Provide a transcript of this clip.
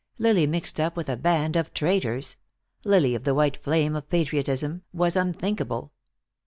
Lily mixed up with a band of traitors, Lily of the white flame of patriotism, was unthinkable.